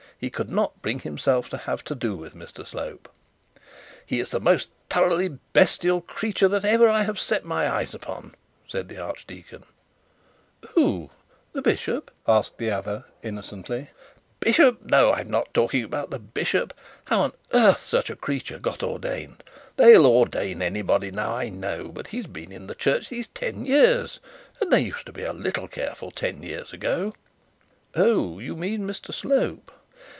He could not bring himself to have to do with Mr Slope. 'He is the most thoroughly bestial creature that ever I set my eyes upon,' said the archdeacon. 'Who the bishop?' 'Bishop! No I'm not talking about the bishop. How on earth such a creature got ordained! they'll ordain anybody now, I know; but he's been in the church these ten years; and they used to be a little careful ten years ago.' 'Oh! You mean Mr Slope.'